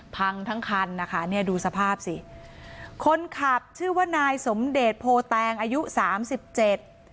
พังทั้งคันนะคะเนี่ยดูสภาพสิคนขับชื่อว่านายสมเดชโพแตงอายุสามสิบเจ็ด